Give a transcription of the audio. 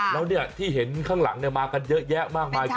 แล้วที่เห็นข้างหลังมากันเยอะแยะมากมาย